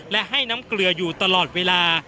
และให้น้ำเกลืออยู่ตลอดเวลา